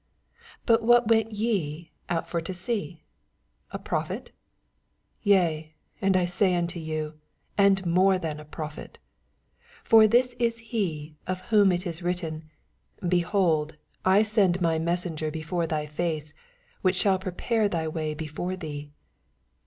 9 But what went ye out for to see f A prophet ? yea, I say unto you, and more than a prophet. 10 For this is A«, of whom it is written, Behold, I send my messenger before thy face, which shall prepare thy way before thee.